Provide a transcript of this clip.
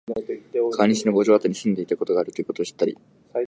川西の五条あたりに住んでいたことがあるということを知ったり、